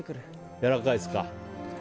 やわらかいですか？